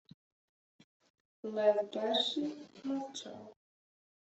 Лев Перший мовчав.